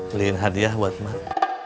beliin hadiah buat mak